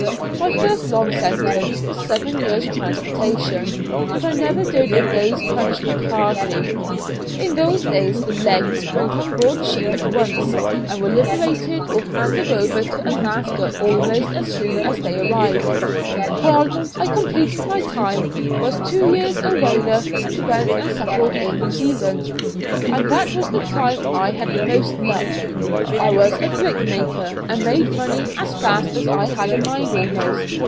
My first long sentence was seven years' transportation, and I never did a day's punishment hardly. In those days the 'legs' went on board ship at once, and were liberated or handed over to a master almost as soon as they arrived. Well, I completed my time, was two years a whaler, and went and settled in New Zealand, and that was the time I had most luck. I was a brick maker, and made money as fast as I had a mind almost.